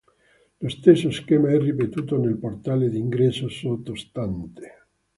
Lo stesso schema è ripetuto nel portale d'ingresso sottostante.